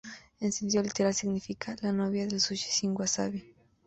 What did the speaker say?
En sentido literal significa: La novia del sushi sin wasabi.